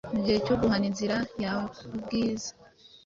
Mugihe cyo kugana inzira yawe kubwiza